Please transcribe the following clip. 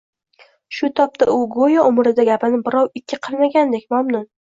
Shu tobda u go‘yo umrida gapini birov ikki qilmagandek mamnun